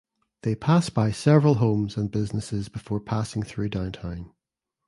They pass by several homes and businesses before passing through downtown.